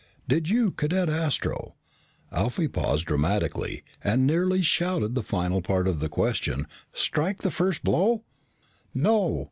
Did you, Cadet Astro" Alfie paused dramatically, and nearly shouted the final part of the question "strike the first blow?" "No!"